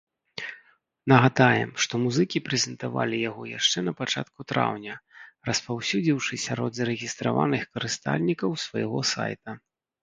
Нагадаем, што музыкі прэзентавалі яго яшчэ напачатку траўня, распаўсюдзіўшы сярод зарэгістраваных карыстальнікаў свайго сайта.